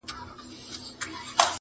سپیني سپوږمۍ حال راته وایه!!